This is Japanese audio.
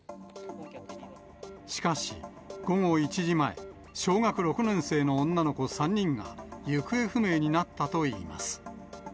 しかし、午後１時前、小学６年生の女の子３人が行方不明になったといいます。